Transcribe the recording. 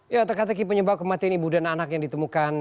ya terkata kipunyebab kematian ibu dan anak yang ditemukan